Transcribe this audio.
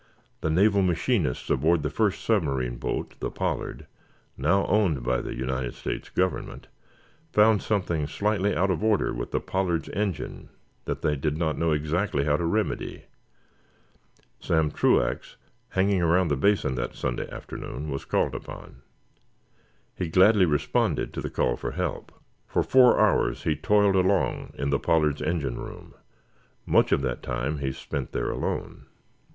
The naval machinists aboard the first submarine boat, the "Pollard," now owned by the United States Government, found something slightly out of order with the "Pollard's" engine that they did not know exactly how to remedy. Sam Truax, hanging around the Basin that Sunday forenoon, was called upon. He gladly responded to the call for help. For four hours he toiled along in the "Pollard's" engine room. Much of that time he spent there alone.